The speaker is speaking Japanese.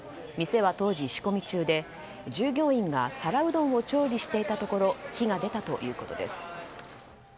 店は当時、仕込み中で従業員が皿うどんを調理していたところ火が出たということです。